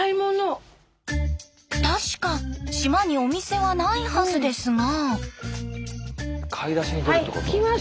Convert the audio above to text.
確か島にお店はないはずですが。